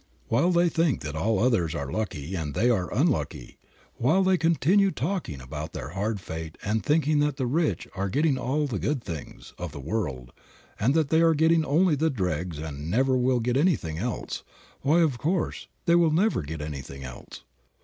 While they think that all others are lucky and they are unlucky, while they continue talking about their hard fate and thinking that the rich are getting all the good things of the world and that they are getting only the dregs and never will get anything else, why, of course they will never get anything else.